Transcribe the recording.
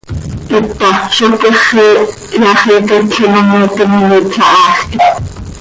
Hita, ¿zó cyáxiya, xiica itleen oo mooquim imiipla haaj quih?